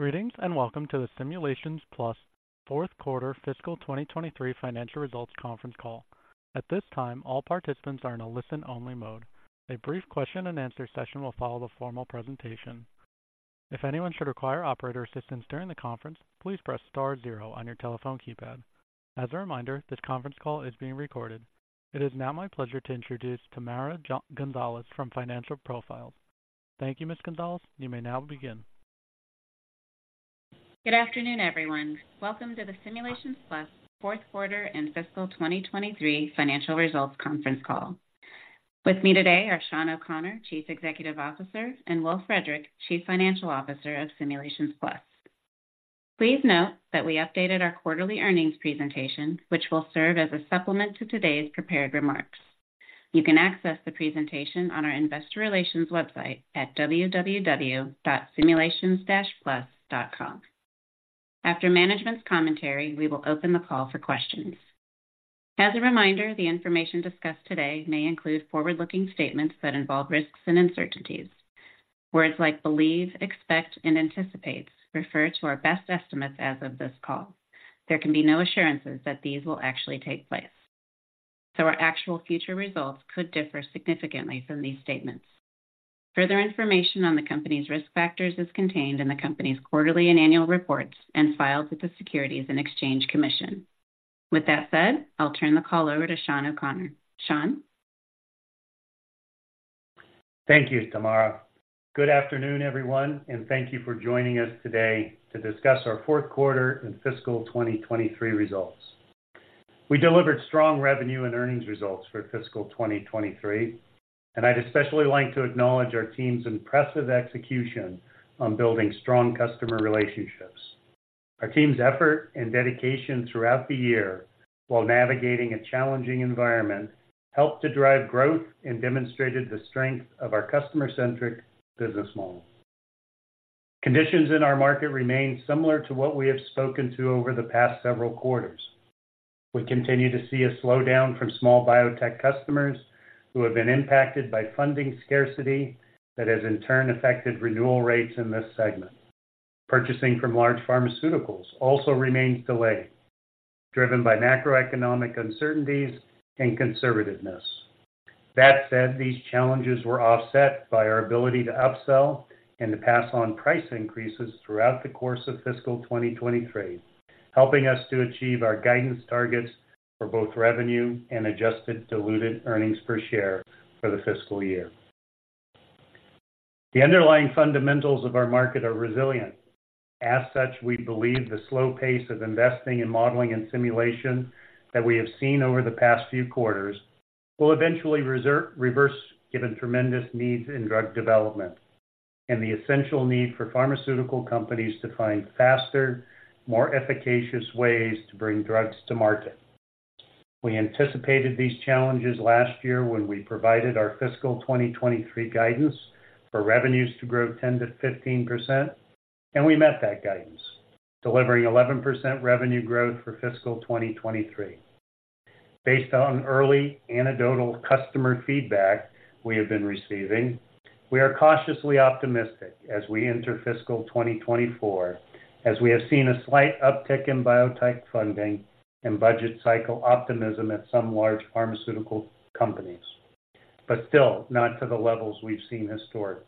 Greetings, and welcome to the Simulations Plus fourth quarter fiscal 2023 financial results conference call. At this time, all participants are in a listen-only mode. A brief question and answer session will follow the formal presentation. If anyone should require operator assistance during the conference, please press star zero on your telephone keypad. As a reminder, this conference call is being recorded. It is now my pleasure to introduce Tamara Gonzalez from Financial Profiles. Thank you, Ms. Gonzalez. You may now begin. Good afternoon, everyone. Welcome to the Simulations Plus fourth quarter and fiscal 2023 financial results conference call. With me today are Shawn O'Connor, Chief Executive Officer, and Will Frederick, Chief Financial Officer of Simulations Plus. Please note that we updated our quarterly earnings presentation, which will serve as a supplement to today's prepared remarks. You can access the presentation on our investor relations website at www.simulations-plus.com. After management's commentary, we will open the call for questions. As a reminder, the information discussed today may include forward-looking statements that involve risks and uncertainties. Words like believe, expect, and anticipates refer to our best estimates as of this call. There can be no assurances that these will actually take place, so our actual future results could differ significantly from these statements. Further information on the company's risk factors is contained in the company's quarterly and annual reports, and filed with the Securities and Exchange Commission. With that said, I'll turn the call over to Shawn O'Connor. Shawn? Thank you, Tamara. Good afternoon, everyone, and thank you for joining us today to discuss our fourth quarter and fiscal 2023 results. We delivered strong revenue and earnings results for fiscal 2023, and I'd especially like to acknowledge our team's impressive execution on building strong customer relationships. Our team's effort and dedication throughout the year, while navigating a challenging environment, helped to drive growth and demonstrated the strength of our customer-centric business model. Conditions in our market remain similar to what we have spoken to over the past several quarters. We continue to see a slowdown from small biotech customers who have been impacted by funding scarcity that has in turn affected renewal rates in this segment. Purchasing from large pharmaceuticals also remains delayed, driven by macroeconomic uncertainties and conservativeness. That said, these challenges were offset by our ability to upsell and to pass on price increases throughout the course of fiscal 2023, helping us to achieve our guidance targets for both revenue and adjusted diluted earnings per share for the fiscal year. The underlying fundamentals of our market are resilient. As such, we believe the slow pace of investing in modeling and simulation that we have seen over the past few quarters will eventually reverse, given tremendous needs in drug development and the essential need for pharmaceutical companies to find faster, more efficacious ways to bring drugs to market. We anticipated these challenges last year when we provided our fiscal 2023 guidance for revenues to grow 10%-15%, and we met that guidance, delivering 11% revenue growth for fiscal 2023. Based on early anecdotal customer feedback we have been receiving, we are cautiously optimistic as we enter fiscal 2024, as we have seen a slight uptick in biotech funding and budget cycle optimism at some large pharmaceutical companies, but still not to the levels we've seen historically.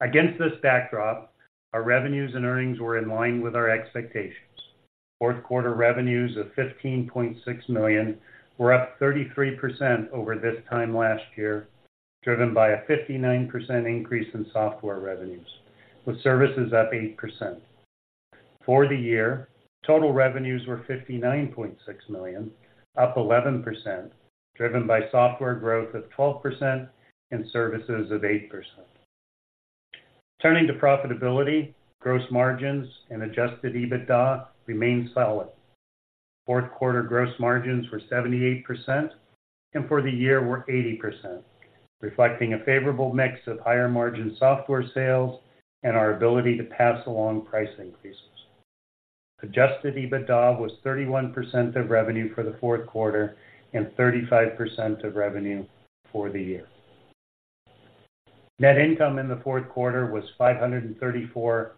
Against this backdrop, our revenues and earnings were in line with our expectations. Fourth quarter revenues of $15.6 million were up 33% over this time last year, driven by a 59% increase in software revenues, with services up 8%. For the year, total revenues were $59.6 million, up 11%, driven by software growth of 12% and services of 8%. Turning to profitability, gross margins and Adjusted EBITDA remained solid. Fourth quarter gross margins were 78% and for the year were 80%, reflecting a favorable mix of higher-margin software sales and our ability to pass along price increases. Adjusted EBITDA was 31% of revenue for the fourth quarter and 35% of revenue for the year. Net income in the fourth quarter was $534,000,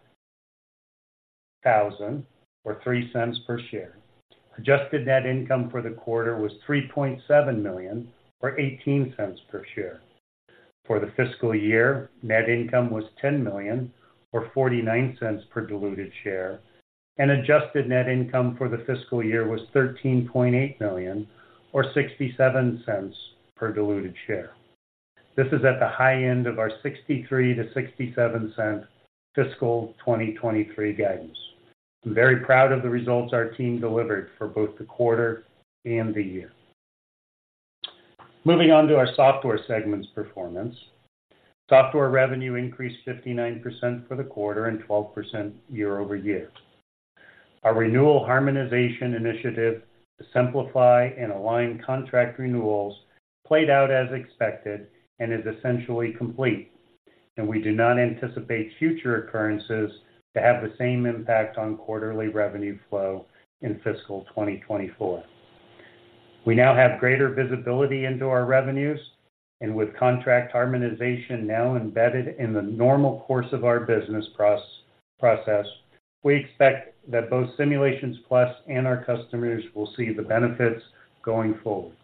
or $0.03 per share. Adjusted net income for the quarter was $3.7 million, or $0.18 per share. For the fiscal year, net income was $10 million or $0.49 per diluted share, and adjusted net income for the fiscal year was $13.8 million or $0.67 per diluted share. This is at the high end of our $0.63-$0.67 fiscal 2023 guidance. I'm very proud of the results our team delivered for both the quarter and the year. Moving on to our software segment's performance. Software revenue increased 59% for the quarter and 12% year over year. Our renewal harmonization initiative to simplify and align contract renewals played out as expected and is essentially complete, and we do not anticipate future occurrences to have the same impact on quarterly revenue flow in fiscal 2024.... We now have greater visibility into our revenues, and with contract harmonization now embedded in the normal course of our business process, we expect that both Simulations Plus and our customers will see the benefits going forward.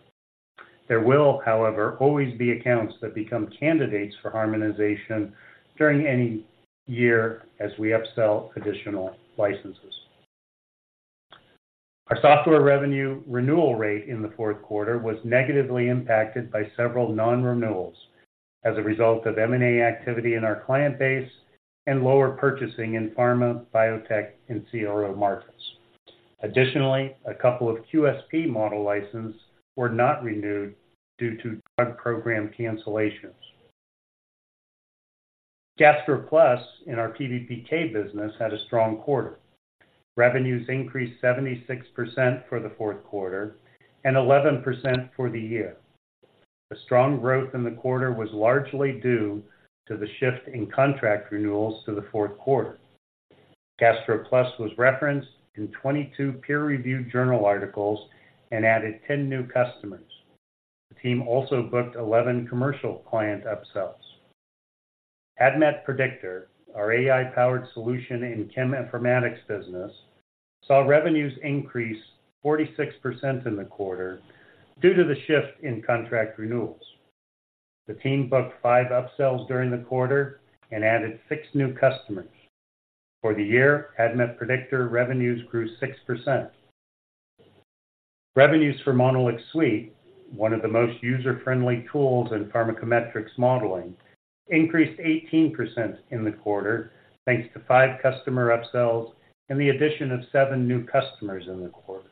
There will, however, always be accounts that become candidates for harmonization during any year as we upsell additional licenses. Our software revenue renewal rate in the fourth quarter was negatively impacted by several non-renewals as a result of M&A activity in our client base and lower purchasing in pharma, biotech, and CRO markets. Additionally, a couple of QSP model licenses were not renewed due to drug program cancellations. GastroPlus, in our PBPK business, had a strong quarter. Revenues increased 76% for the fourth quarter and 11% for the year. The strong growth in the quarter was largely due to the shift in contract renewals to the fourth quarter. GastroPlus was referenced in 22 peer-reviewed journal articles and added 10 new customers. The team also booked 11 commercial client upsells. ADMET Predictor, our AI-powered solution in cheminformatics business, saw revenues increase 46% in the quarter due to the shift in contract renewals. The team booked five upsells during the quarter and added six new customers. For the year, ADMET Predictor revenues grew 6%. Revenues for MonolixSuite, one of the most user-friendly tools in pharmacometrics modeling, increased 18% in the quarter, thanks to five customer upsells and the addition of seven new customers in the quarter.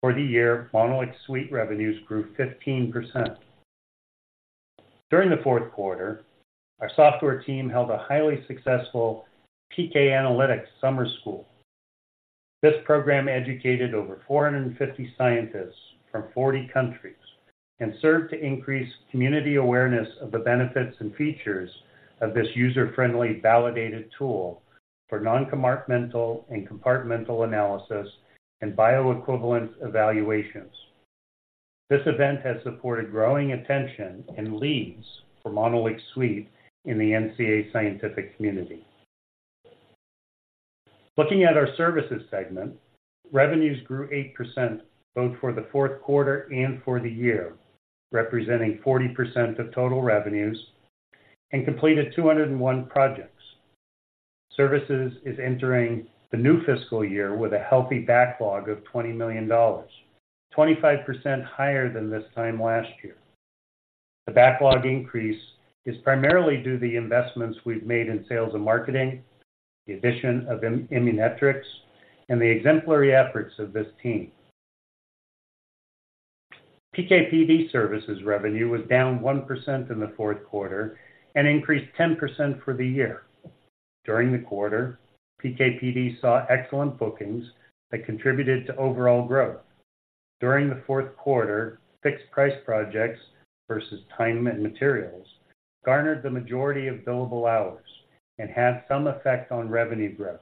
For the year, MonolixSuite revenues grew 15%. During the fourth quarter, our software team held a highly successful PKanalix Summer School. This program educated over 450 scientists from 40 countries and served to increase community awareness of the benefits and features of this user-friendly, validated tool for non-compartmental and compartmental analysis and bioequivalence evaluations. This event has supported growing attention and leads for MonolixSuite in the NCA scientific community. Looking at our services segment, revenues grew 8% both for the fourth quarter and for the year, representing 40% of total revenues and completed 201 projects. Services is entering the new fiscal year with a healthy backlog of $20 million, 25% higher than this time last year. The backlog increase is primarily due to the investments we've made in sales and marketing, the addition of Immunetrics, and the exemplary efforts of this team. PK/PD services revenue was down 1% in the fourth quarter and increased 10% for the year. During the quarter, PK/PD saw excellent bookings that contributed to overall growth. During the fourth quarter, fixed-price projects versus time and materials, garnered the majority of billable hours and had some effect on revenue growth.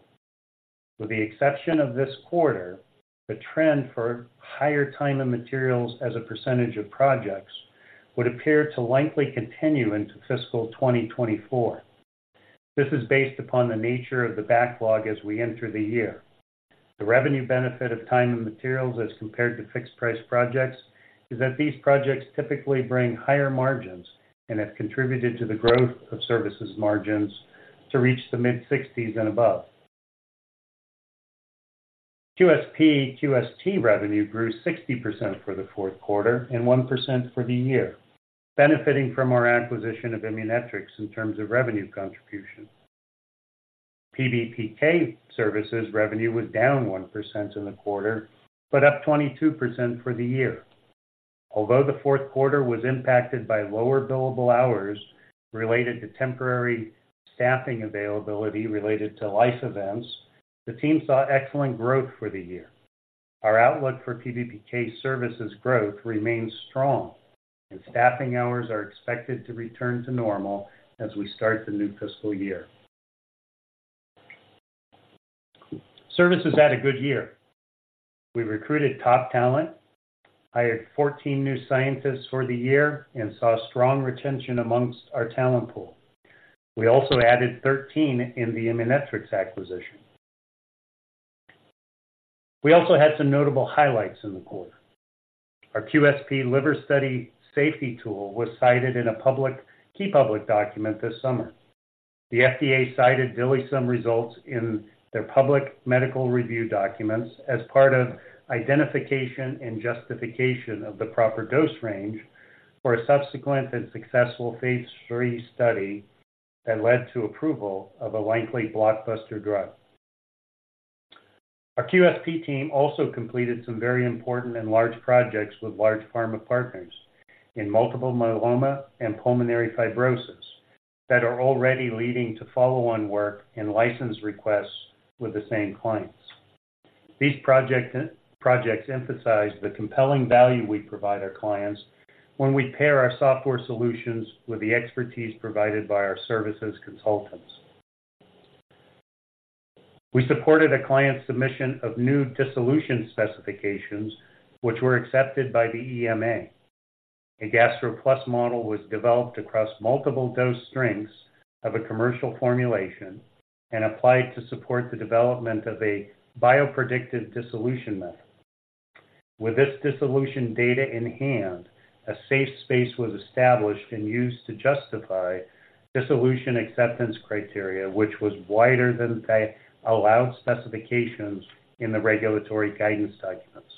With the exception of this quarter, the trend for higher time and materials as a percentage of projects would appear to likely continue into fiscal 2024. This is based upon the nature of the backlog as we enter the year. The revenue benefit of time and materials as compared to fixed-price projects is that these projects typically bring higher margins and have contributed to the growth of services margins to reach the mid-60s and above. QSP/QST revenue grew 60% for the fourth quarter and 1% for the year, benefiting from our acquisition of Immunetrics in terms of revenue contribution. PBPK services revenue was down 1% in the quarter, but up 22% for the year. Although the fourth quarter was impacted by lower billable hours related to temporary staffing availability related to life events, the team saw excellent growth for the year. Our outlook for PBPK services growth remains strong, and staffing hours are expected to return to normal as we start the new fiscal year. Services had a good year. We recruited top talent, hired 14 new scientists for the year, and saw strong retention among our talent pool. We also added 13 in the Immunetrics acquisition. We also had some notable highlights in the quarter. Our QSP liver study safety tool was cited in a key public document this summer. The FDA cited DILIsym results in their public medical review documents as part of identification and justification of the proper dose range for a subsequent and successful phase III study that led to approval of a likely blockbuster drug. Our QSP team also completed some very important and large projects with large pharma partners in multiple myeloma and pulmonary fibrosis that are already leading to follow-on work and license requests with the same clients. These projects emphasize the compelling value we provide our clients when we pair our software solutions with the expertise provided by our services consultants. We supported a client's submission of new dissolution specifications, which were accepted by the EMA. A GastroPlus model was developed across multiple dose strengths of a commercial formulation and applied to support the development of a bio-predictive dissolution method. With this dissolution data in hand, a safe space was established and used to justify dissolution acceptance criteria, which was wider than the allowed specifications in the regulatory guidance documents.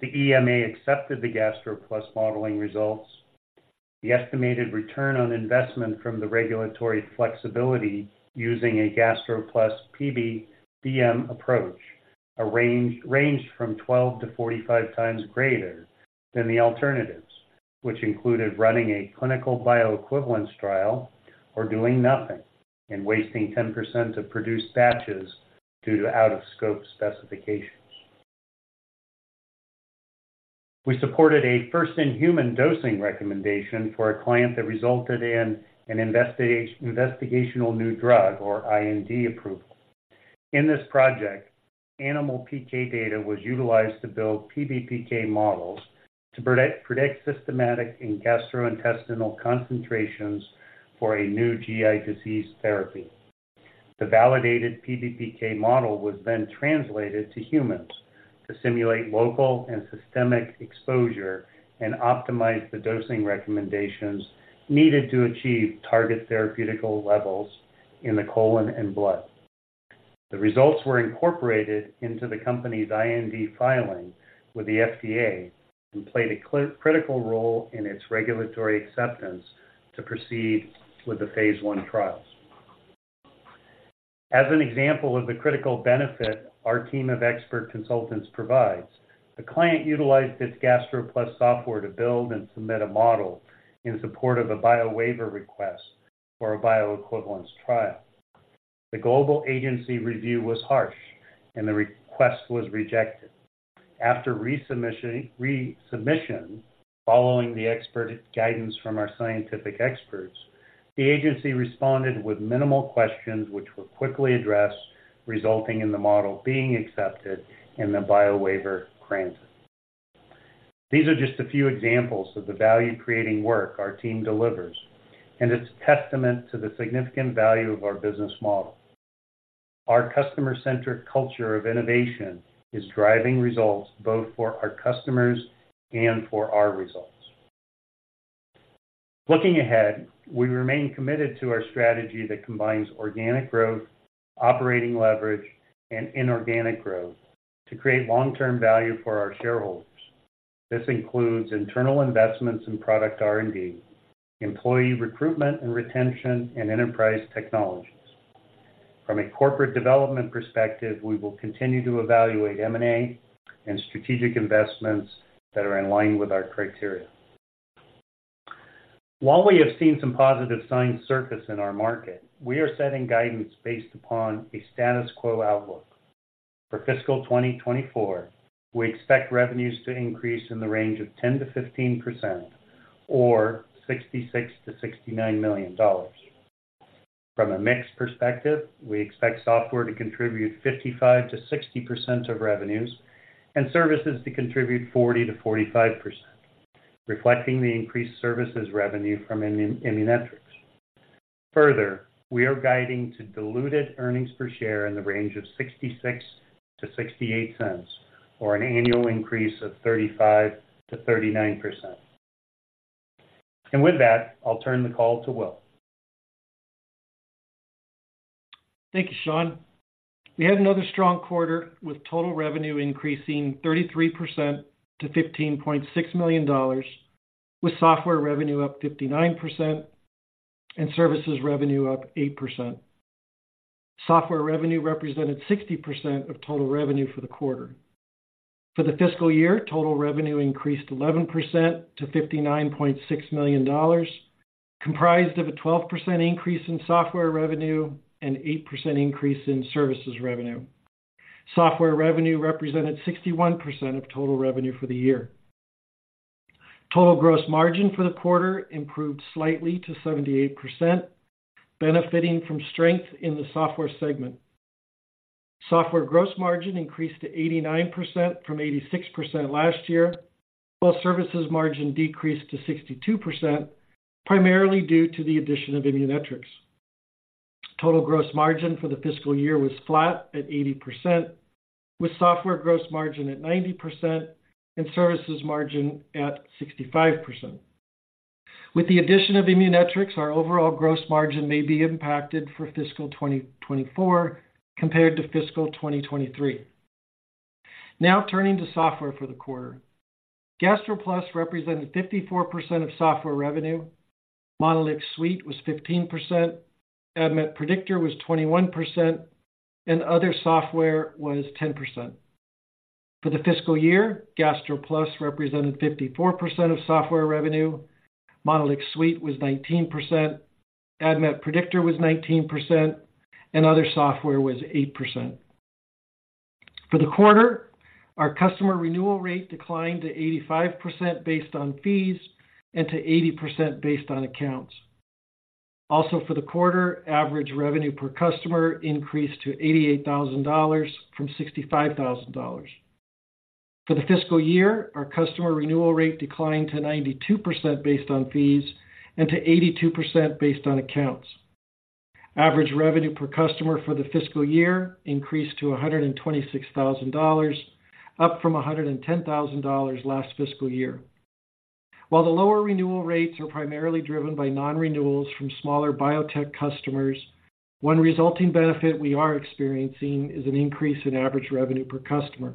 The EMA accepted the GastroPlus modeling results. The estimated return on investment from the regulatory flexibility using a GastroPlus PBBM approach ranged from 12-45 times greater than the alternatives, which included running a clinical bioequivalence trial or doing nothing and wasting 10% of produced batches due to out-of-scope specifications. We supported a first-in-human dosing recommendation for a client that resulted in an investigational new drug or IND approval. In this project, animal PK data was utilized to build PBPK models to predict systemic and gastrointestinal concentrations for a new GI disease therapy. The validated PBPK model was then translated to humans to simulate local and systemic exposure and optimize the dosing recommendations needed to achieve target therapeutic levels in the colon and blood. The results were incorporated into the company's IND filing with the FDA and played a critical role in its regulatory acceptance to proceed with the phase I trials. As an example of the critical benefit our team of expert consultants provides, the client utilized its GastroPlus software to build and submit a model in support of a biowaiver request for a bioequivalence trial. The global agency review was harsh, and the request was rejected. After resubmission, following the expert guidance from our scientific experts, the agency responded with minimal questions, which were quickly addressed, resulting in the model being accepted and the biowaiver granted. These are just a few examples of the value-creating work our team delivers, and it's testament to the significant value of our business model. Our customer-centric culture of innovation is driving results both for our customers and for our results. Looking ahead, we remain committed to our strategy that combines organic growth, operating leverage, and inorganic growth to create long-term value for our shareholders. This includes internal investments in product R&D, employee recruitment and retention, and enterprise technologies. From a corporate development perspective, we will continue to evaluate M&A and strategic investments that are in line with our criteria. While we have seen some positive signs surface in our market, we are setting guidance based upon a status quo outlook. For fiscal 2024, we expect revenues to increase in the range of 10%-15%, or $66 million-$69 million. From a mix perspective, we expect software to contribute 55%-60% of revenues and services to contribute 40%-45%, reflecting the increased services revenue from Immunetrics. Further, we are guiding to diluted earnings per share in the range of $0.66-$0.68, or an annual increase of 35%-39%. And with that, I'll turn the call to Will. Thank you, Shawn. We had another strong quarter, with total revenue increasing 33% to $15.6 million, with software revenue up 59% and services revenue up 8%. Software revenue represented 60% of total revenue for the quarter. For the fiscal year, total revenue increased 11% to $59.6 million, comprised of a 12% increase in software revenue and 8% increase in services revenue. Software revenue represented 61% of total revenue for the year. Total gross margin for the quarter improved slightly to 78%, benefiting from strength in the software segment. Software gross margin increased to 89% from 86% last year, while services margin decreased to 62%, primarily due to the addition of Immunetrics. Total gross margin for the fiscal year was flat at 80%, with software gross margin at 90% and services margin at 65%. With the addition of Immunetrics, our overall gross margin may be impacted for fiscal 2024 compared to fiscal 2023. Now, turning to software for the quarter. GastroPlus represented 54% of software revenue, MonolixSuite was 15%, ADMET Predictor was 21%, and other software was 10%. For the fiscal year, GastroPlus represented 54% of software revenue, MonolixSuite was 19%, ADMET Predictor was 19%, and other software was 8%.... For the quarter, our customer renewal rate declined to 85% based on fees and to 80% based on accounts. Also, for the quarter, average revenue per customer increased to $88,000 from $65,000. For the fiscal year, our customer renewal rate declined to 92% based on fees and to 82% based on accounts. Average revenue per customer for the fiscal year increased to $126,000, up from $110,000 last fiscal year. While the lower renewal rates are primarily driven by non-renewals from smaller biotech customers, one resulting benefit we are experiencing is an increase in average revenue per customer.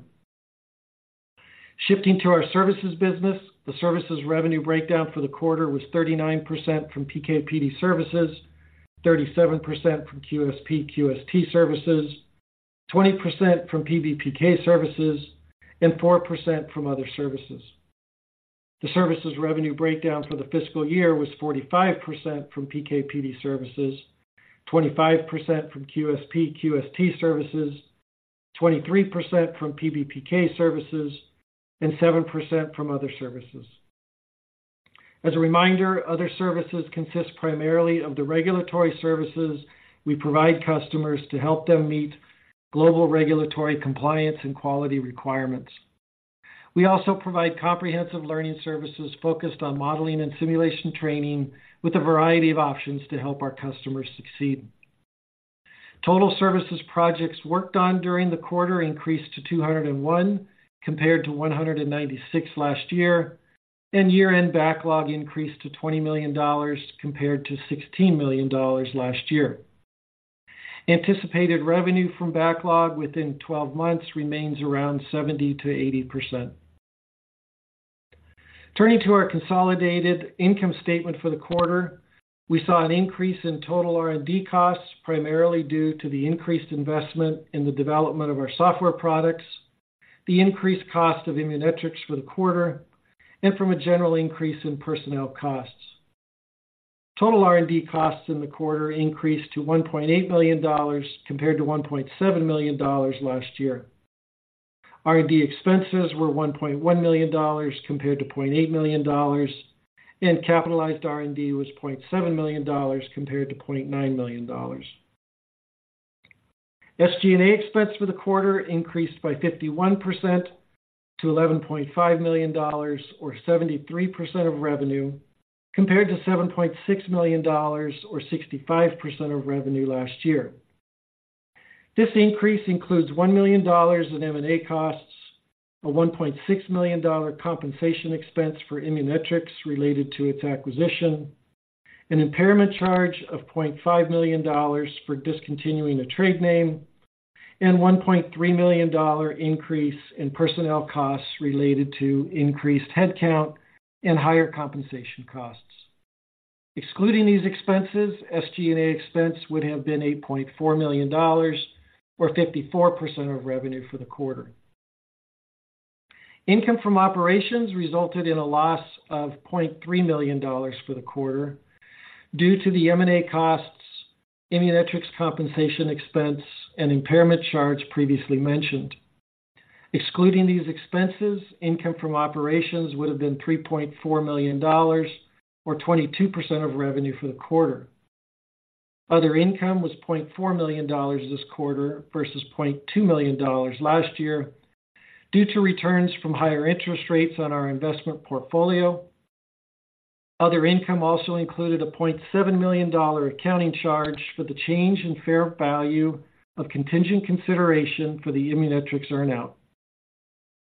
Shifting to our services business, the services revenue breakdown for the quarter was 39% from PK/PD services, 37% from QSP/QST services, 20% from PBPK services, and 4% from other services. The services revenue breakdown for the fiscal year was 45% from PK/PD services, 25% from QSP/QST services, 23% from PBPK services, and 7% from other services. As a reminder, other services consist primarily of the regulatory services we provide customers to help them meet global regulatory compliance and quality requirements. We also provide comprehensive learning services focused on modeling and simulation training with a variety of options to help our customers succeed. Total services projects worked on during the quarter increased to 201, compared to 196 last year, and year-end backlog increased to $20 million, compared to $16 million last year. Anticipated revenue from backlog within 12 months remains around 70%-80%. Turning to our consolidated income statement for the quarter, we saw an increase in total R&D costs, primarily due to the increased investment in the development of our software products, the increased cost of Immunetrics for the quarter, and from a general increase in personnel costs. Total R&D costs in the quarter increased to $1.8 million, compared to $1.7 million last year. R&D expenses were $1.1 million, compared to $0.8 million, and capitalized R&D was $0.7 million, compared to $0.9 million. SG&A expense for the quarter increased by 51% to $11.5 million or 73% of revenue, compared to $7.6 million or 65% of revenue last year. This increase includes $1 million in M&A costs, a $1.6 million compensation expense for Immunetrics related to its acquisition, an impairment charge of $0.5 million for discontinuing a trade name, and $1.3 million increase in personnel costs related to increased headcount and higher compensation costs. Excluding these expenses, SG&A expense would have been $8.4 million or 54% of revenue for the quarter. Income from operations resulted in a loss of $0.3 million for the quarter due to the M&A costs, Immunetrics compensation expense, and impairment charge previously mentioned. Excluding these expenses, income from operations would have been $3.4 million or 22% of revenue for the quarter. Other income was $0.4 million this quarter versus $0.2 million last year, due to returns from higher interest rates on our investment portfolio. Other income also included a $0.7 million dollar accounting charge for the change in fair value of contingent consideration for the Immunetrics earn-out.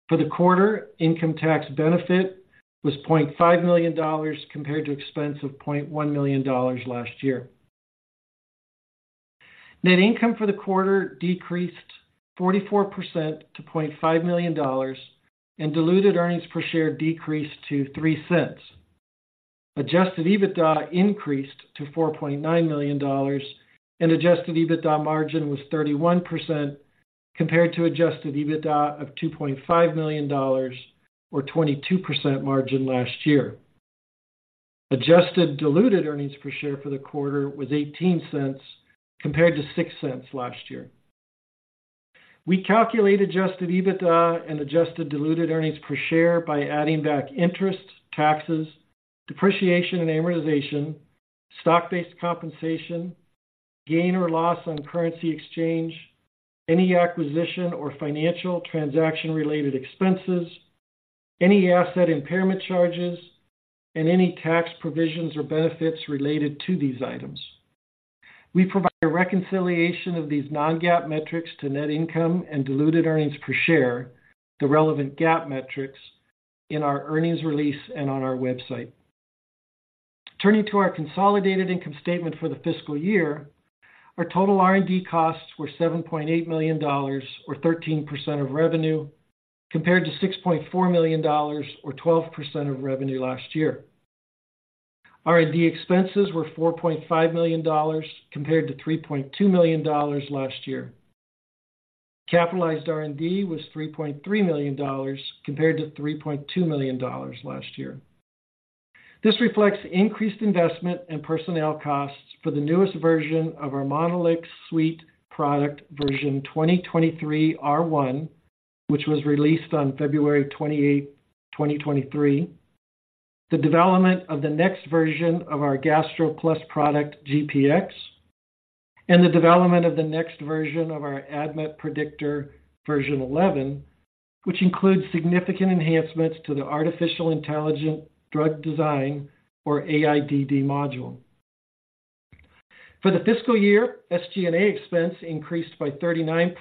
For the quarter, income tax benefit was $0.5 million compared to expense of $0.1 million last year. Net income for the quarter decreased 44% to $0.5 million, and diluted earnings per share decreased to $0.03. Adjusted EBITDA increased to $4.9 million, and adjusted EBITDA margin was 31%, compared to adjusted EBITDA of $2.5 million or 22% margin last year. Adjusted diluted earnings per share for the quarter was $0.18, compared to $0.06 last year. We calculate adjusted EBITDA and adjusted diluted earnings per share by adding back interest, taxes, depreciation and amortization, stock-based compensation, gain or loss on currency exchange, any acquisition or financial transaction-related expenses, any asset impairment charges, and any tax provisions or benefits related to these items. We provide a reconciliation of these non-GAAP metrics to net income and diluted earnings per share, the relevant GAAP metrics, in our earnings release and on our website. Turning to our consolidated income statement for the fiscal year, our total R&D costs were $7.8 million, or 13% of revenue, compared to $6.4 million or 12% of revenue last year. R&D expenses were $4.5 million, compared to $3.2 million last year. Capitalized R&D was $3.3 million, compared to $3.2 million last year. This reflects increased investment and personnel costs for the newest version of our MonolixSuite product, version 2023 R1, which was released on February 28, 2023. The development of the next version of our GastroPlus product, GPX, and the development of the next version of our ADMET Predictor, version 11, which includes significant enhancements to the Artificial Intelligence Drug Design, or AIDD, module. For the fiscal year, SG&A expense increased by 39%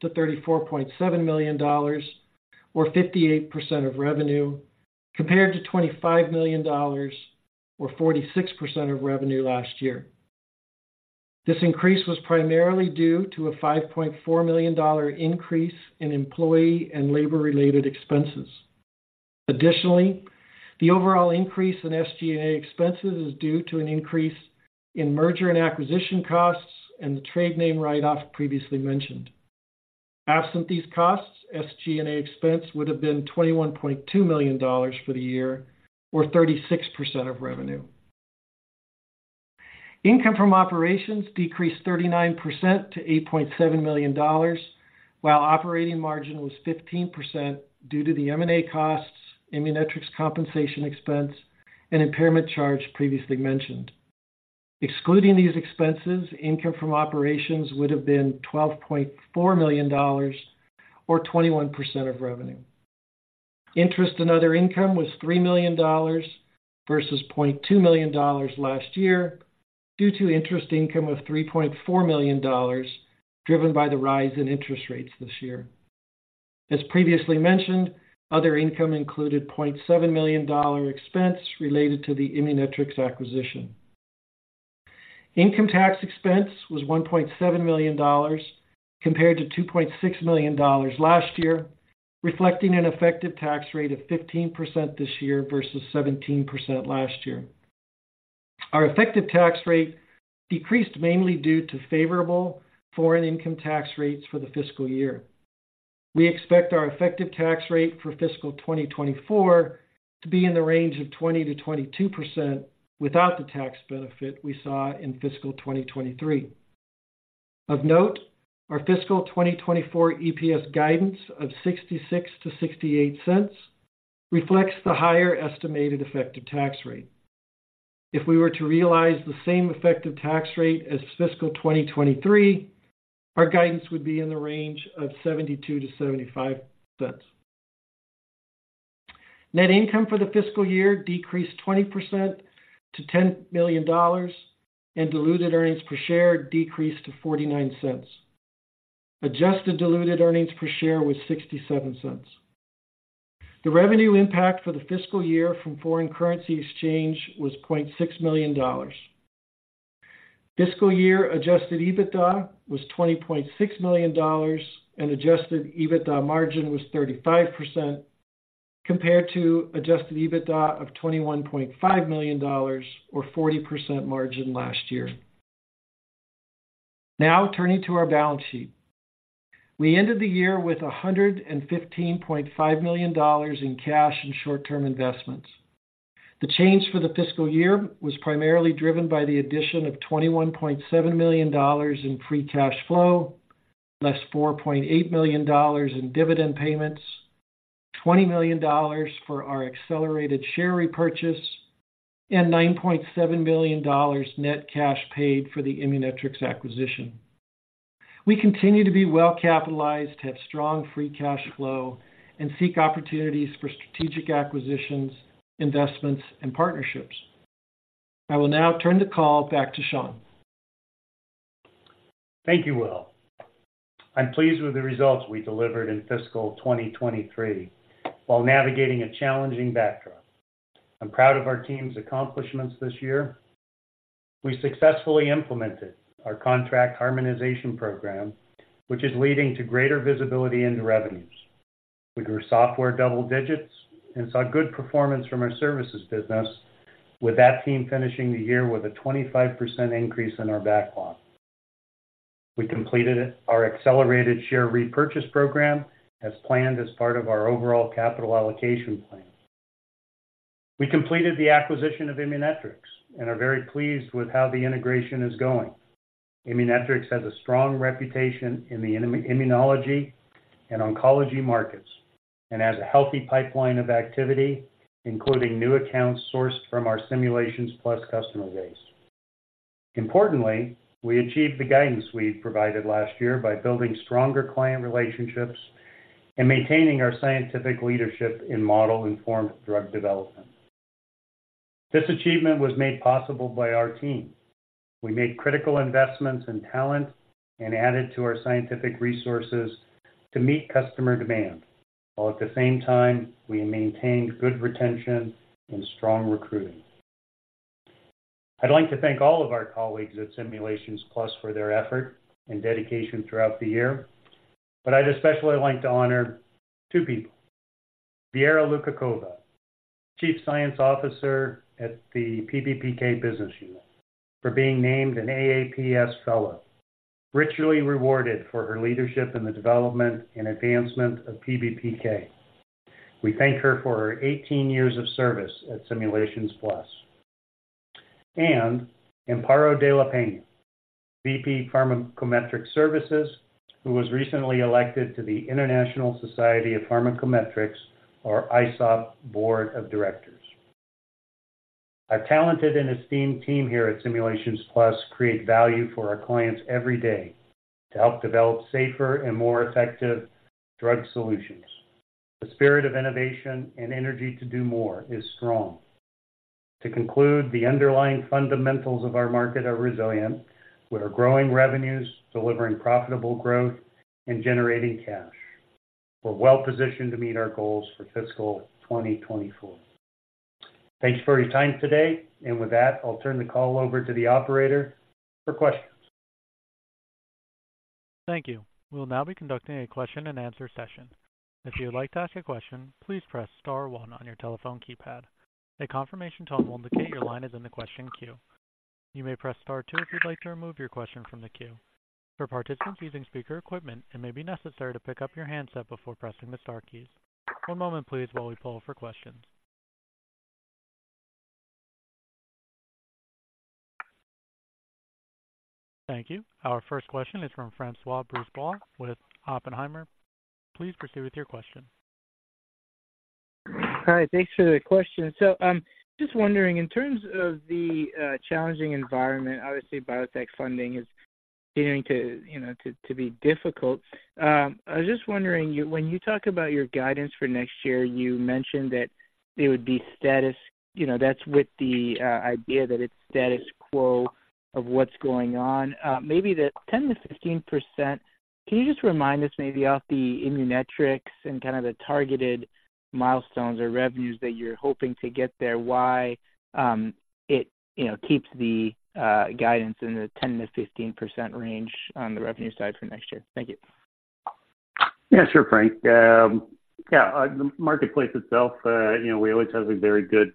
to $34.7 million, or 58% of revenue, compared to $25 million, or 46% of revenue last year. This increase was primarily due to a $5.4 million increase in employee and labor-related expenses. Additionally, the overall increase in SG&A expenses is due to an increase in merger and acquisition costs and the trade name write-off previously mentioned. Absent these costs, SG&A expense would have been $21.2 million for the year or 36% of revenue. Income from operations decreased 39% to $8.7 million, while operating margin was 15% due to the M&A costs, Immunetrics compensation expense, and impairment charge previously mentioned. Excluding these expenses, income from operations would have been $12.4 million or 21% of revenue. Interest and other income was $3 million versus $0.2 million last year, due to interest income of $3.4 million, driven by the rise in interest rates this year. As previously mentioned, other income included $0.7 million dollar expense related to the Immunetrics acquisition. Income tax expense was $1.7 million, compared to $2.6 million last year, reflecting an effective tax rate of 15% this year versus 17% last year. Our effective tax rate decreased mainly due to favorable foreign income tax rates for the fiscal year. We expect our effective tax rate for fiscal 2024 to be in the range of 20%-22% without the tax benefit we saw in fiscal 2023. Of note, our fiscal 2024 EPS guidance of $0.66-$0.68 reflects the higher estimated effective tax rate. If we were to realize the same effective tax rate as fiscal 2023, our guidance would be in the range of $0.72-$0.75. Net income for the fiscal year decreased 20% to $10 million, and diluted earnings per share decreased to $0.49. Adjusted diluted earnings per share was $0.67. The revenue impact for the fiscal year from foreign currency exchange was $0.6 million. Fiscal year adjusted EBITDA was $20.6 million, and adjusted EBITDA margin was 35%, compared to adjusted EBITDA of $21.5 million or 40% margin last year. Now, turning to our balance sheet. We ended the year with $115.5 million in cash and short-term investments. The change for the fiscal year was primarily driven by the addition of $21.7 million in free cash flow, less $4.8 million in dividend payments, $20 million for our accelerated share repurchase, and $9.7 million net cash paid for the Immunetrics acquisition. We continue to be well capitalized, have strong free cash flow, and seek opportunities for strategic acquisitions, investments, and partnerships. I will now turn the call back to Shawn. Thank you, Will. I'm pleased with the results we delivered in fiscal 2023 while navigating a challenging backdrop. I'm proud of our team's accomplishments this year. We successfully implemented our contract harmonization program, which is leading to greater visibility into revenues. We grew software double digits and saw good performance from our services business, with that team finishing the year with a 25% increase in our backlog. We completed our accelerated share repurchase program as planned as part of our overall capital allocation plan. We completed the acquisition of Immunetrics and are very pleased with how the integration is going. Immunetrics has a strong reputation in the immunology and oncology markets and has a healthy pipeline of activity, including new accounts sourced from our Simulations Plus customer base. Importantly, we achieved the guidance we provided last year by building stronger client relationships and maintaining our scientific leadership in model-informed drug development. This achievement was made possible by our team. We made critical investments in talent and added to our scientific resources to meet customer demand, while at the same time, we maintained good retention and strong recruiting. I'd like to thank all of our colleagues at Simulations Plus for their effort and dedication throughout the year, but I'd especially like to honor two people. Viera Lukácová, Chief Science Officer at the PBPK business unit, for being named an AAPS Fellow. ... richly rewarded for her leadership in the development and advancement of PBPK. We thank her for her 18 years of service at Simulations Plus. And Amparo de la Peña, VP Pharmacometrics Services, who was recently elected to the International Society of Pharmacometrics, or ISoP, Board of Directors. Our talented and esteemed team here at Simulations Plus create value for our clients every day to help develop safer and more effective drug solutions. The spirit of innovation and energy to do more is strong. To conclude, the underlying fundamentals of our market are resilient. We are growing revenues, delivering profitable growth, and generating cash. We're well positioned to meet our goals for fiscal 2024. Thanks for your time today, and with that, I'll turn the call over to the operator for questions. Thank you. We'll now be conducting a question and answer session. If you would like to ask a question, please press star one on your telephone keypad. A confirmation tone will indicate your line is in the question queue. You may press star two if you'd like to remove your question from the queue. For participants using speaker equipment, it may be necessary to pick up your handset before pressing the star keys. One moment please while we poll for questions. Thank you. Our first question is from Francois Brisebois with Oppenheimer. Please proceed with your question. Hi, thanks for the question. So, just wondering, in terms of the, challenging environment, obviously biotech funding is continuing to, you know, to be difficult. I was just wondering, you when you talk about your guidance for next year, you mentioned that it would be status. You know, that's with the, idea that it's status quo of what's going on. Maybe the 10%-15%, can you just remind us, maybe off the Immunetrics and kind of the targeted milestones or revenues that you're hoping to get there, why, it, you know, keeps the, guidance in the 10%-15% range on the revenue side for next year? Thank you. Yeah, sure, Frank. Yeah, the marketplace itself, you know, we always have a very good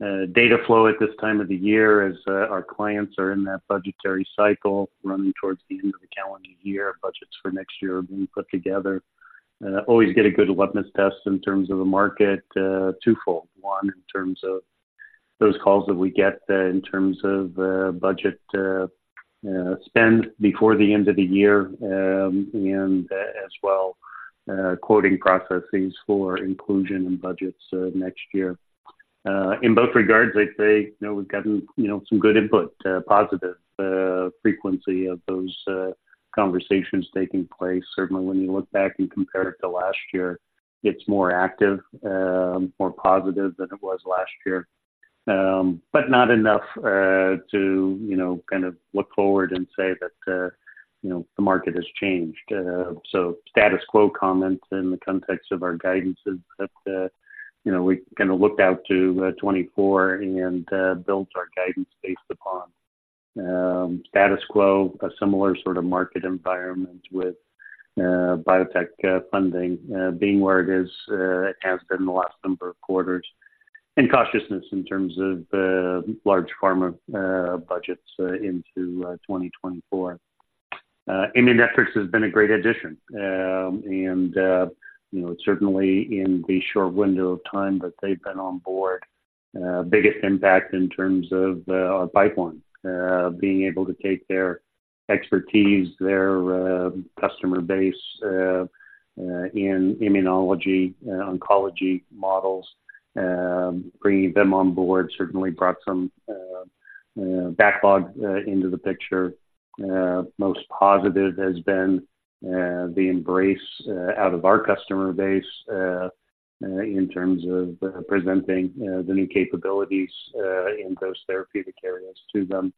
data flow at this time of the year as our clients are in that budgetary cycle running towards the end of the calendar year, budgets for next year are being put together. Always get a good litmus test in terms of the market, twofold. One, in terms of those calls that we get, in terms of budget spend before the end of the year, and as well, quoting processes for inclusion in budgets next year. In both regards, I'd say, you know, we've gotten, you know, some good input, positive frequency of those conversations taking place. Certainly, when you look back and compare it to last year, it's more active, more positive than it was last year. But not enough, to, you know, kind of look forward and say that, you know, the market has changed. So status quo comments in the context of our guidance is that, you know, we kind of looked out to, 2024 and, built our guidance based upon, status quo, a similar sort of market environment with, biotech, funding, being where it is, has been the last number of quarters, and cautiousness in terms of, large pharma, budgets, into, 2024. Immunetrics has been a great addition. And, you know, certainly in the short window of time that they've been on board, biggest impact in terms of, our pipeline, being able to take their expertise, their, customer base, in immunology and oncology models. Bringing them on board certainly brought some, backlog, into the picture. Most positive has been, the embrace, out of our customer base, in terms of presenting, the new capabilities, in those therapeutic areas to them.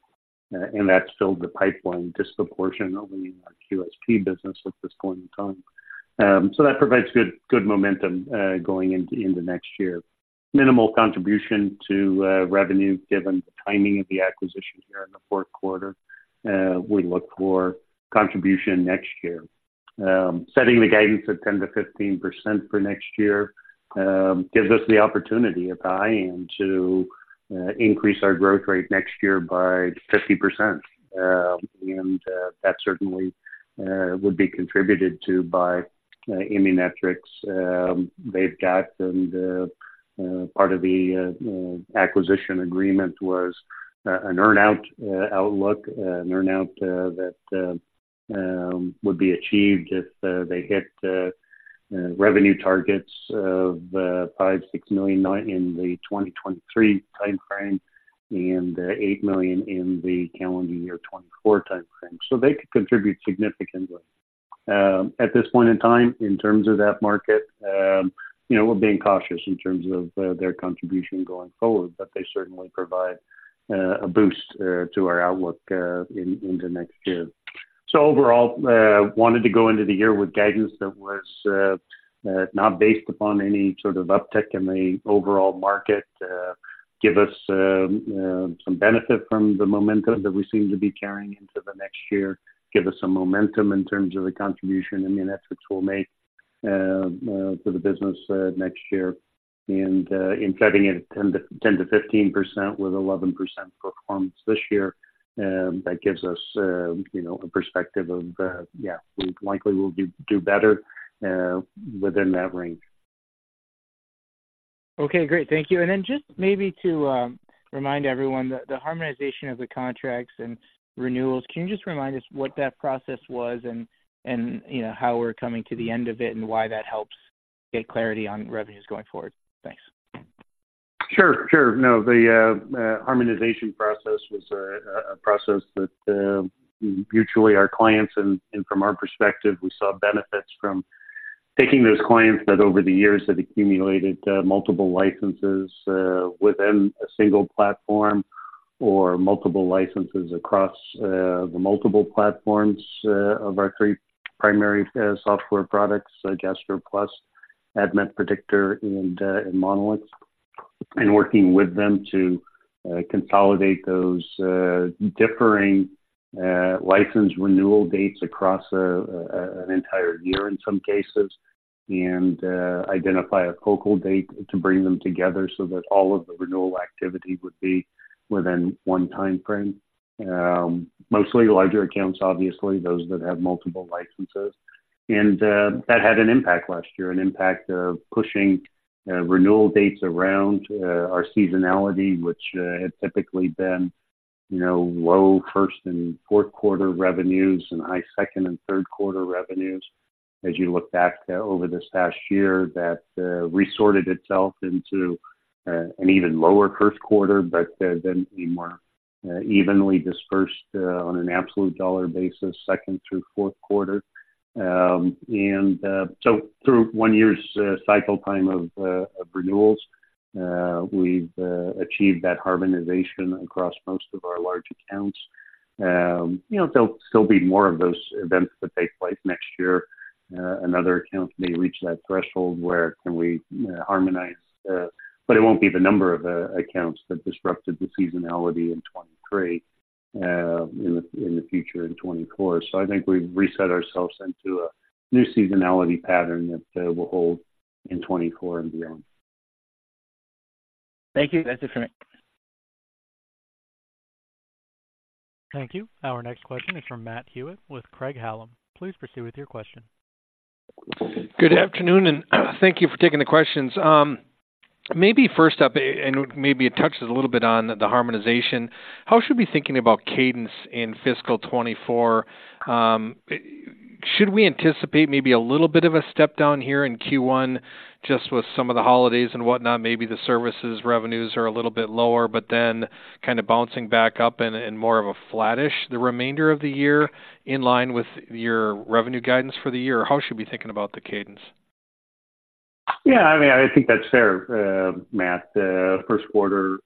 And that's filled the pipeline disproportionately in our QSP business at this point in time. So that provides good, good momentum, going into, next year. Minimal contribution to, revenue, given the timing of the acquisition here in the fourth quarter. We look for contribution next year. Setting the guidance at 10%-15% for next year gives us the opportunity, if I am, to increase our growth rate next year by 50%. And that certainly would be contributed to by Immunetrics. They've got, and part of the acquisition agreement was an earn-out outlook, an earn-out that would be achieved if they hit the revenue targets of $5 million-$6 million in the 2023 time frame and $8 million in the calendar year 2024 time frame. So they could contribute significantly. At this point in time, in terms of that market, you know, we're being cautious in terms of their contribution going forward, but they certainly provide a boost to our outlook into next year. So overall, wanted to go into the year with guidance that was not based upon any sort of uptick in the overall market. Give us some benefit from the momentum that we seem to be carrying into the next year, give us some momentum in terms of the contribution Immunetrics will make for the business next year, and in setting it at 10%-15% with 11% performance this year, that gives us, you know, a perspective of, yeah, we likely will do better within that range. Okay, great. Thank you. And then just maybe to remind everyone that the harmonization of the contracts and renewals, can you just remind us what that process was and, you know, how we're coming to the end of it and why that helps get clarity on revenues going forward? Thanks. Sure, sure. No, the harmonization process was a process that mutually our clients and from our perspective, we saw benefits from taking those clients that over the years have accumulated multiple licenses within a single platform, or multiple licenses across the multiple platforms of our three primary software products, GastroPlus, ADMET Predictor, and MonolixSuite. And working with them to consolidate those differing license renewal dates across an entire year in some cases, and identify a focal date to bring them together so that all of the renewal activity would be within one time frame. Mostly larger accounts, obviously, those that have multiple licenses. That had an impact last year, an impact of pushing renewal dates around our seasonality, which had typically been, you know, low first and fourth quarter revenues and high second and third quarter revenues. As you look back over this past year, that resorted itself into an even lower first quarter, but then a more evenly dispersed, on an absolute dollar basis, second through fourth quarter. So through one year's cycle time of renewals, we've achieved that harmonization across most of our large accounts. You know, there'll still be more of those events that take place next year. Another account may reach that threshold where can we, harmonize, but it won't be the number of, accounts that disrupted the seasonality in 2023, in the, in the future in 2024. So I think we've reset ourselves into a new seasonality pattern that, will hold in 2024 and beyond. Thank you. That's it for me. Thank you. Our next question is from Matt Hewitt with Craig-Hallum. Please proceed with your question. Good afternoon, and thank you for taking the questions. Maybe first up, and maybe it touches a little bit on the harmonization. How should we be thinking about cadence in fiscal 2024? Should we anticipate maybe a little bit of a step down here in Q1, just with some of the holidays and whatnot, maybe the services revenues are a little bit lower, but then kind of bouncing back up and more of a flattish the remainder of the year, in line with your revenue guidance for the year? How should we be thinking about the cadence? Yeah, I mean, I think that's fair, Matt. The first quarter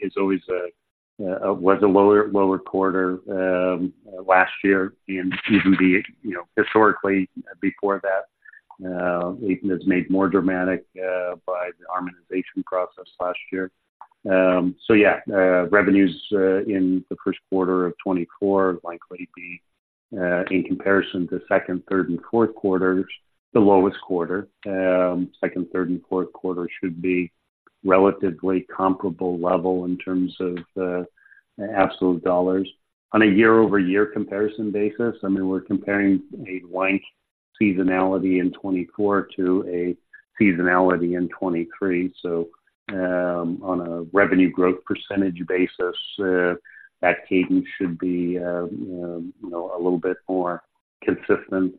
is always a lower quarter last year, and even the, you know, historically before that, it was made more dramatic by the harmonization process last year. So yeah, revenues in the first quarter of 2024 likely be in comparison to second, third, and fourth quarters, the lowest quarter. Second, third, and fourth quarter should be relatively comparable level in terms of absolute dollars. On a year-over-year comparison basis, I mean, we're comparing a flat seasonality in 2024 to a seasonality in 2023. So, on a revenue growth percentage basis, that cadence should be, you know, a little bit more consistent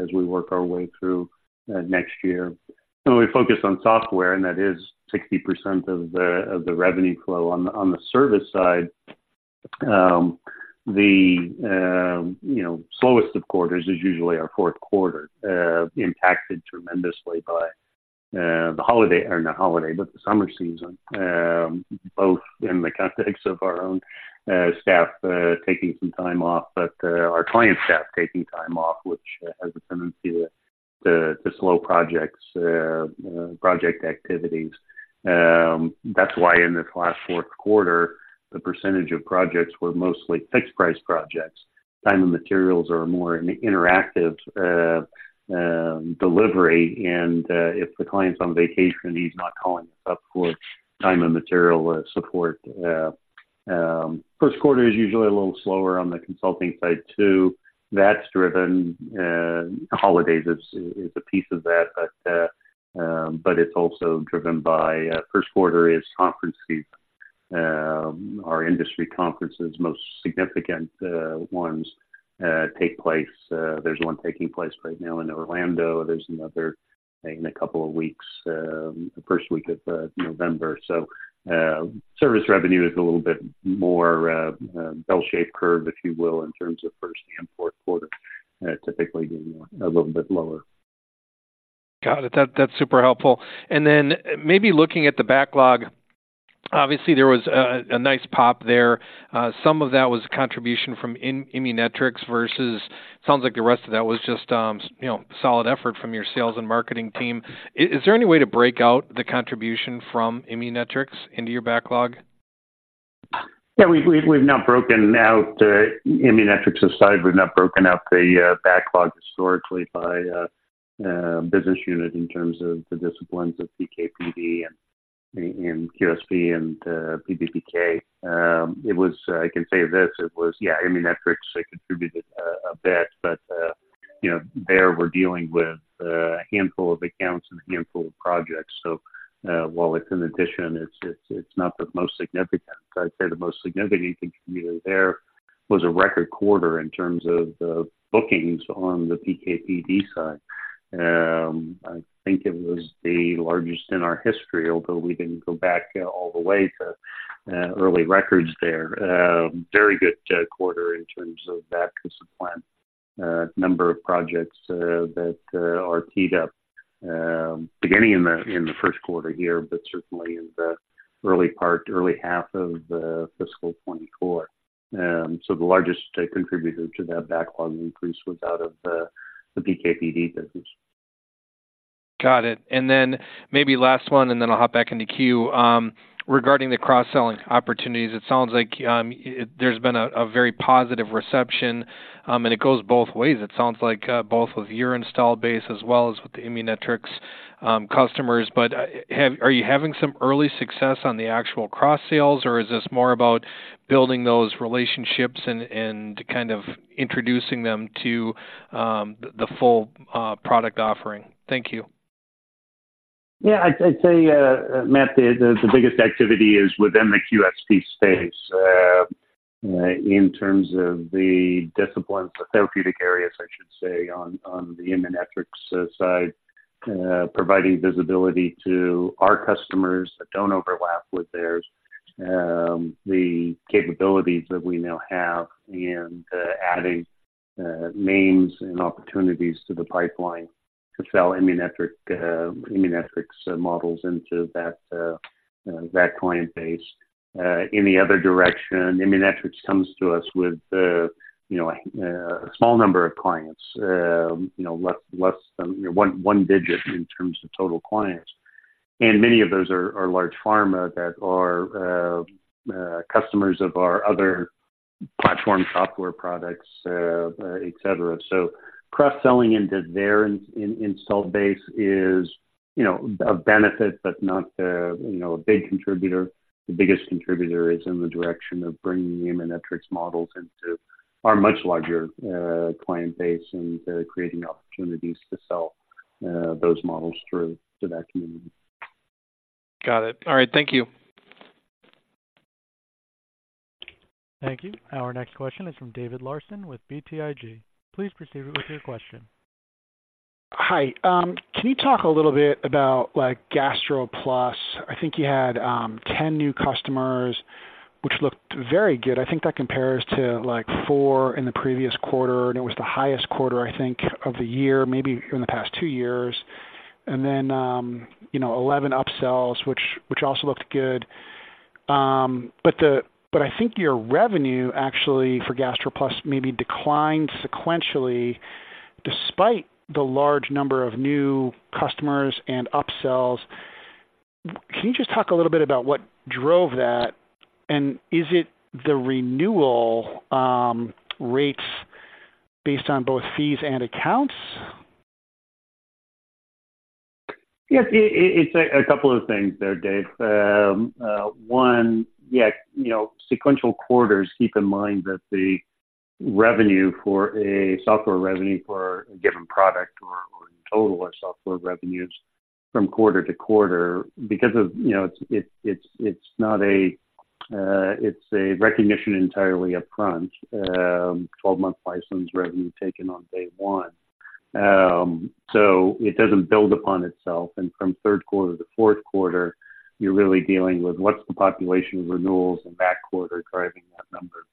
as we work our way through next year. So we focus on software, and that is 60% of the revenue flow. On the service side, you know, the slowest of quarters is usually our fourth quarter, impacted tremendously by the holiday, or not holiday, but the summer season, both in the context of our own staff taking some time off, but our client staff taking time off, which has a tendency to slow projects, project activities. That's why in this last fourth quarter, the percentage of projects were mostly fixed price projects. Time and materials are more interactive delivery, and if the client's on vacation, he's not calling us up for time and material support. First quarter is usually a little slower on the consulting side, too. That's driven, holidays is a piece of that, but, but it's also driven by, first quarter is conference season. Our industry conferences, most significant ones, take place... There's one taking place right now in Orlando. There's another in a couple of weeks, the first week of November. So, service revenue is a little bit more bell-shaped curve, if you will, in terms of first and fourth quarter, typically being a little bit lower. Got it. That's super helpful. And then maybe looking at the backlog, obviously, there was a nice pop there. Some of that was contribution from Immunetrics versus, sounds like the rest of that was just, you know, solid effort from your sales and marketing team. Is there any way to break out the contribution from Immunetrics into your backlog?... Yeah, we've not broken out, Immunetrics aside, we've not broken out the backlog historically by business unit in terms of the disciplines of PK/PD and QSP and PBPK. It was, I can say this, it was, yeah, Immunetrics contributed a bit, but you know, there we're dealing with a handful of accounts and a handful of projects. So, while it's an addition, it's not the most significant. I'd say the most significant contributor there was a record quarter in terms of the bookings on the PK/PD side. I think it was the largest in our history, although we didn't go back all the way to early records there. Very good quarter in terms of that discipline. Number of projects that are teed up beginning in the first quarter here, but certainly in the early part, early half of the fiscal 2024. So the largest contributor to that backlog increase was out of the PK/PD business. Got it. And then maybe last one, and then I'll hop back in the queue. Regarding the cross-selling opportunities, it sounds like there's been a very positive reception, and it goes both ways. It sounds like both with your installed base as well as with the Immunetrics customers. But, are you having some early success on the actual cross sales, or is this more about building those relationships and kind of introducing them to the full product offering? Thank you. Yeah, I'd say, Matt, the biggest activity is within the QSP space. In terms of the disciplines, the therapeutic areas, I should say, on the Immunetrics side, providing visibility to our customers that don't overlap with theirs, the capabilities that we now have and adding names and opportunities to the pipeline to sell Immunetrics models into that, you know, that client base. Any other direction, Immunetrics comes to us with, you know, a small number of clients, you know, less than one digit in terms of total clients. And many of those are large pharma that are customers of our other platform software products, et cetera. So cross-selling into their install base is, you know, a benefit, but not, you know, a big contributor. The biggest contributor is in the direction of bringing the Immunetrics models into our much larger client base and creating opportunities to sell those models through to that community. Got it. All right. Thank you. Thank you. Our next question is from David Larsen with BTIG. Please proceed with your question. Hi. Can you talk a little bit about, like, GastroPlus? I think you had 10 new customers, which looked very good. I think that compares to, like, four in the previous quarter, and it was the highest quarter, I think, of the year, maybe in the past two years. And then, you know, 11 upsells, which also looked good. But I think your revenue actually for GastroPlus maybe declined sequentially, despite the large number of new customers and upsells. Can you just talk a little bit about what drove that? And is it the renewal rates based on both fees and accounts? Yes, it's a couple of things there, Dave. One, yeah, you know, sequential quarters, keep in mind that the revenue for a software revenue for a given product or, or in total, our software revenues from quarter to quarter, because of, you know, it's not a, it's a recognition entirely up front, twelve-month license revenue taken on day one. So it doesn't build upon itself. And from third quarter to fourth quarter, you're really dealing with what's the population renewals in that quarter driving that number.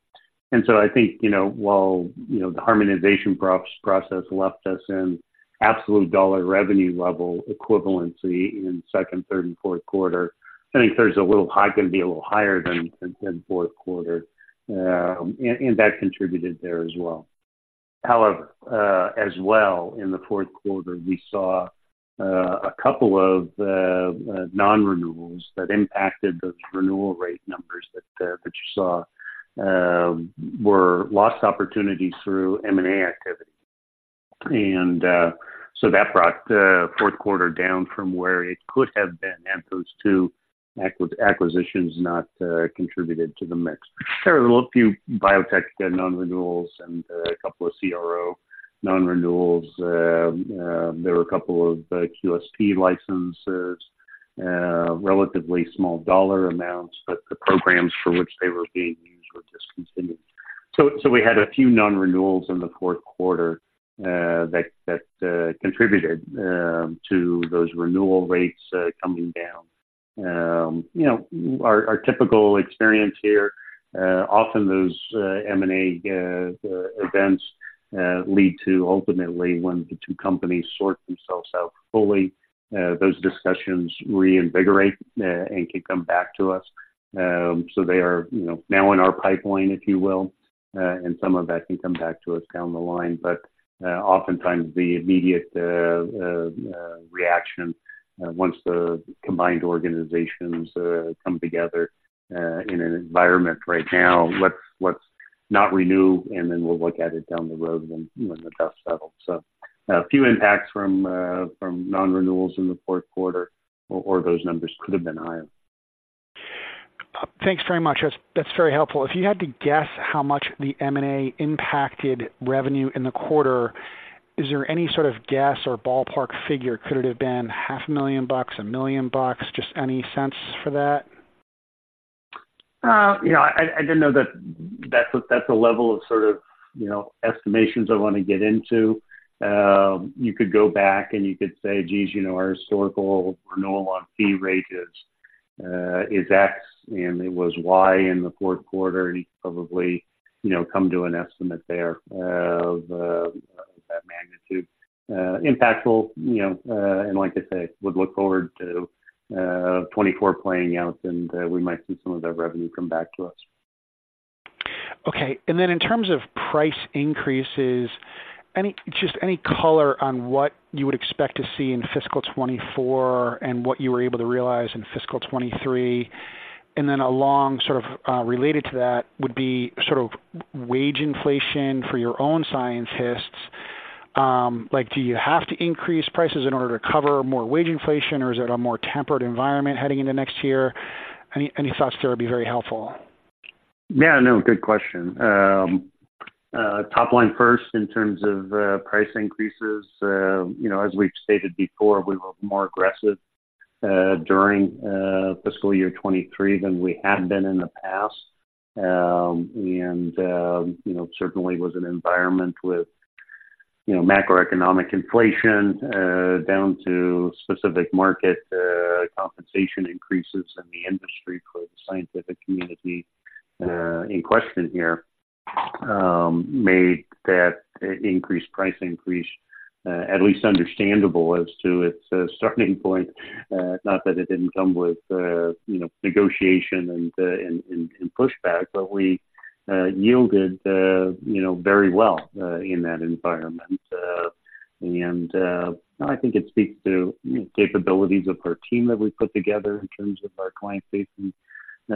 And so I think, you know, while, you know, the harmonization process left us in absolute dollar revenue level equivalency in second, third, and fourth quarter, I think there's a little high, gonna be a little higher than, than fourth quarter, and that contributed there as well. However, as well, in the fourth quarter, we saw a couple of non-renewals that impacted those renewal rate numbers that you saw were lost opportunities through M&A activity. And so that brought the fourth quarter down from where it could have been had those two acquisitions not contributed to the mix. There were a few biotech non-renewals and a couple of CRO non-renewals. There were a couple of QSP licenses, relatively small dollar amounts, but the programs for which they were being used were discontinued. So we had a few non-renewals in the fourth quarter that contributed to those renewal rates coming down. You know, our typical experience here often those M&A events lead to ultimately when the two companies sort themselves out fully those discussions reinvigorate and can come back to us. So they are, you know, now in our pipeline, if you will, and some of that can come back to us down the line. But oftentimes the immediate reaction once the combined organizations come together in an environment right now what's not renew, and then we'll look at it down the road when the dust settles. So a few impacts from non-renewals in the fourth quarter, or those numbers could have been higher. Thanks very much. That's, that's very helpful. If you had to guess how much the M&A impacted revenue in the quarter, is there any sort of guess or ballpark figure? Could it have been $500,000, $1 million? Just any sense for that? You know, I didn't know that that's a level of sort of, you know, estimations I want to get into. You could go back, and you could say, geez, you know, our historical renewal on fee rates is X, and it was Y in the fourth quarter, and you could probably, you know, come to an estimate there of that magnitude. Impactful, you know, and like I say, would look forward to 2024 playing out, and we might see some of that revenue come back to us. Okay. And then in terms of price increases, any, just any color on what you would expect to see in fiscal 2024 and what you were able to realize in fiscal 2023? And then along, sort of, related to that would be sort of wage inflation for your own scientists. Like, do you have to increase prices in order to cover more wage inflation, or is it a more tempered environment heading into next year? Any, any thoughts there would be very helpful. Yeah, no, good question. Top line first, in terms of price increases, you know, as we've stated before, we were more aggressive during fiscal year 2023 than we had been in the past. And you know, certainly was an environment with, you know, macroeconomic inflation down to specific market compensation increases in the industry for the scientific community in question here made that increased price increase at least understandable as to its starting point. Not that it didn't come with, you know, negotiation and pushback, but we yielded, you know, very well in that environment. And, I think it speaks to capabilities of our team that we put together in terms of our client-facing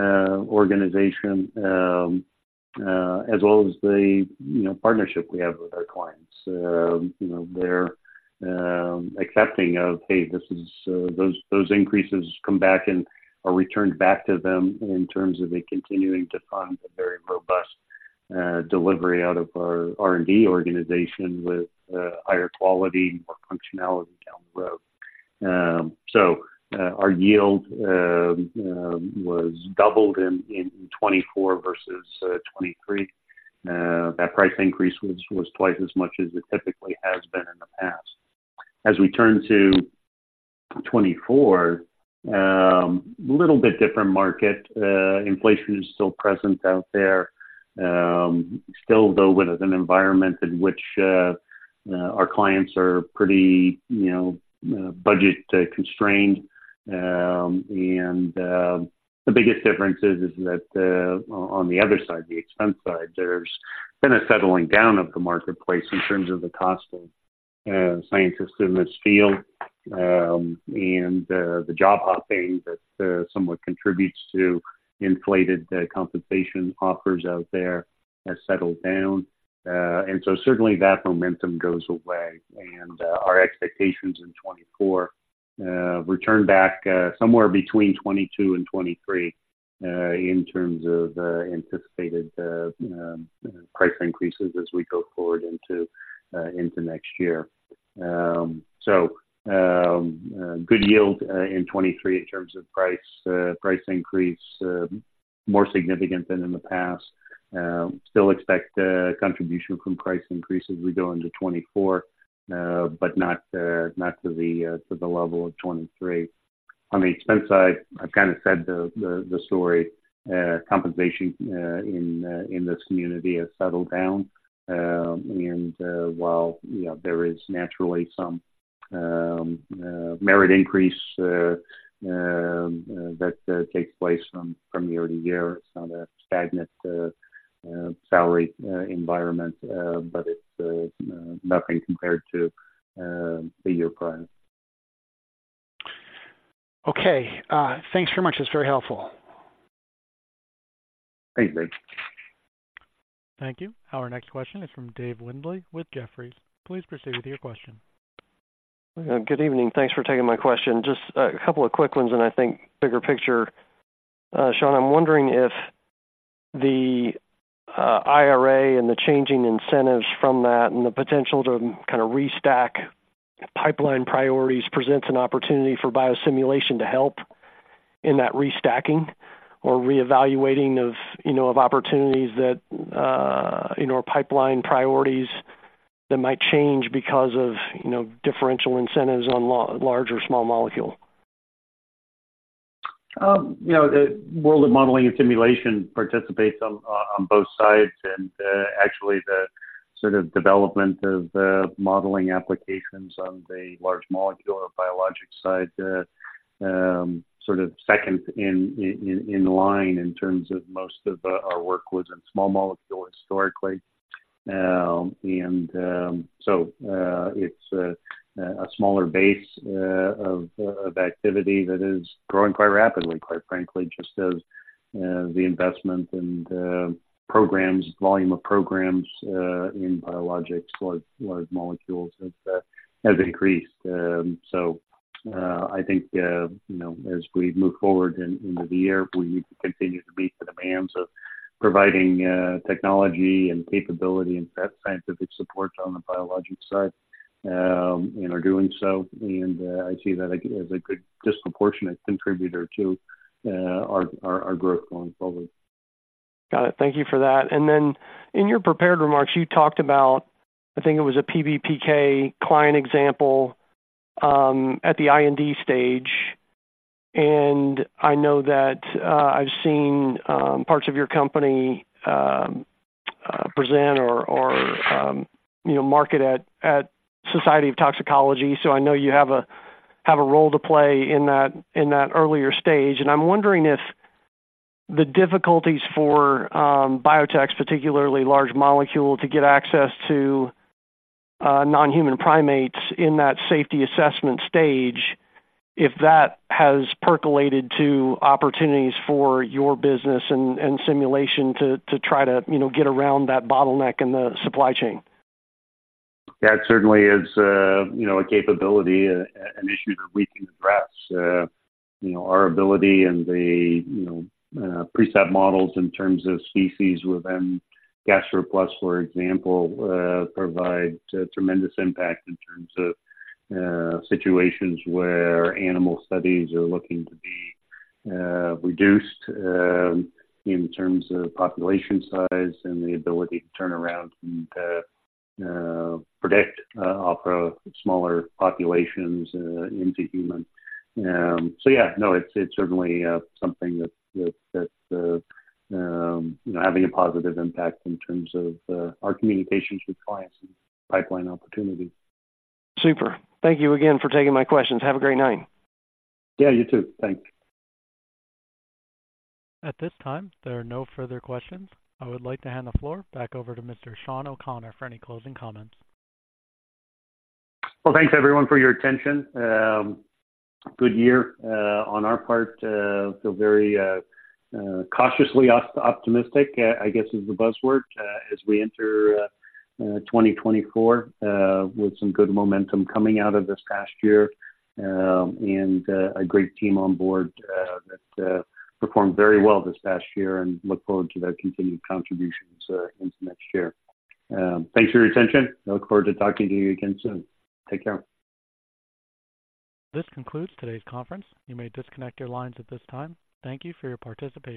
organization, as well as the, you know, partnership we have with our clients. You know, their accepting of, hey, this is, those, those increases come back and are returned back to them in terms of a continuing to find a very robust delivery out of our R&D organization with higher quality or functionality down the road. So, our yield was doubled in 2024 versus 2023. That price increase was twice as much as it typically has been in the past. As we turn to 2024, a little bit different market. Inflation is still present out there, still, though, with an environment in which our clients are pretty, you know, budget-constrained. And the biggest difference is that on the other side, the expense side, there's been a settling down of the marketplace in terms of the cost of scientists in this field. And the job hopping that somewhat contributes to inflated compensation offers out there has settled down. And so certainly that momentum goes away, and our expectations in 2024 return back somewhere between 2022 and 2023 in terms of anticipated price increases as we go forward into next year. So good yield in 2023 in terms of price price increase more significant than in the past. Still expect contribution from price increases as we go into 2024, but not to the level of 2023. On the expense side, I've kind of said the story. Compensation in this community has settled down. And while, you know, there is naturally some merit increase that takes place from year to year, it's not a stagnant salary environment, but it's nothing compared to the year prior. Okay. Thanks very much. That's very helpful. Thank you. Thank you. Our next question is from Dave Windley with Jefferies. Please proceed with your question. Good evening. Thanks for taking my question. Just a couple of quick ones, and I think bigger picture. Shawn, I'm wondering if the IRA and the changing incentives from that and the potential to kind of restack pipeline priorities presents an opportunity for biosimulation to help in that restacking or reevaluating of, you know, of opportunities that, you know, or pipeline priorities that might change because of, you know, differential incentives on large or small molecule. You know, the world of modeling and simulation participates on both sides, and actually the sort of development of the modeling applications on the large molecule or biologic side sort of second in line in terms of most of our work was in small molecule historically. And so it's a smaller base of activity that is growing quite rapidly, quite frankly, just as the investment and programs, volume of programs in biologics, large molecules has increased. So I think you know, as we move forward into the year, we continue to meet the demands of providing technology and capability and scientific support on the biologic side and are doing so. I see that as a good disproportionate contributor to our growth going forward. Got it. Thank you for that. And then in your prepared remarks, you talked about, I think it was a PBPK client example, at the IND stage. And I know that, I've seen, parts of your company, present or, or, you know, market at, at Society of Toxicology. So I know you have a, have a role to play in that, in that earlier stage. And I'm wondering if the difficulties for, biotechs, particularly large molecule, to get access to, non-human primates in that safety assessment stage, if that has percolated to opportunities for your business and, and simulation to, to try to, you know, get around that bottleneck in the supply chain. That certainly is, you know, a capability, an issue that we can address. You know, our ability and the preset models in terms of species within GastroPlus, for example, provide tremendous impact in terms of situations where animal studies are looking to be reduced in terms of population size and the ability to turn around and predict off of smaller populations into human. So, yeah, no, it's certainly something that you know, having a positive impact in terms of our communications with clients and pipeline opportunities. Super. Thank you again for taking my questions. Have a great night. Yeah, you too. Thanks. At this time, there are no further questions. I would like to hand the floor back over to Mr. Shawn O'Connor for any closing comments. Well, thanks, everyone, for your attention. Good year on our part. Feel very cautiously optimistic, I guess is the buzzword, as we enter 2024 with some good momentum coming out of this past year, and a great team on board that performed very well this past year and look forward to their continued contributions into next year. Thanks for your attention. I look forward to talking to you again soon. Take care. This concludes today's conference. You may disconnect your lines at this time. Thank you for your participation.